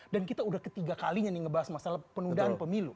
dan kita udah ketiga kalinya nih ngebahas masalah penundaan pemilu